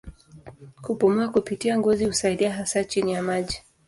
Kupumua kupitia ngozi husaidia hasa chini ya maji.